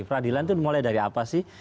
peradilan itu mulai dari apa sih